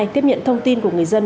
tiếp nhận thông tin của người dân